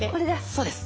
そうです。